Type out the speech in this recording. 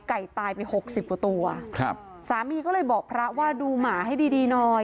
ไก่ตายไป๖๐กว่าตัวสามีก็เลยบอกพระว่าดูหมาให้ดีหน่อย